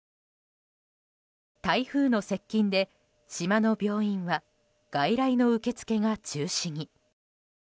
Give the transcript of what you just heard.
台風の接近で、島の病院は外来の受け付けが中止に。